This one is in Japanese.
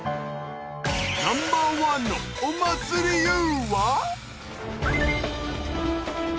ナンバーワンのお祭りＹＯＵは？